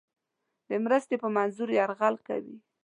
د مرستې په منظور یرغل کوي.